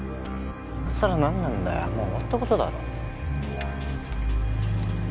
今さらなんなんだよもう終わった事だろ。